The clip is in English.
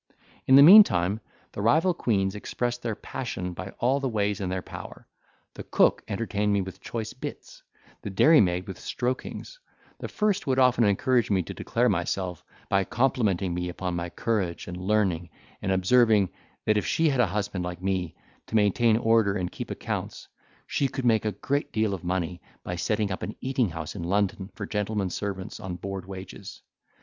In the meantime, the rival queens expressed their passion by all the ways in their power: the cook entertained me with choice bits, the dairymaid with strokings: the first would often encourage me to declare myself, by complimenting me upon my courage and learning, and observing, that if she had a husband like me, to maintain order and keep accounts, she could make a great deal of money, by setting up an eating house in London for gentlemen's servants on board wages.